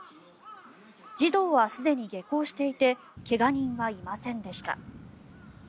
児童はすでに下校していて怪我人はいませんでした。